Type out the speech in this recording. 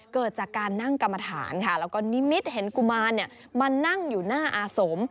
เกิดจากการนั่งกรรมฐานค่ะแล้วก็นิมิตเห็นกุมารมานั่งอยู่หน้าอาสม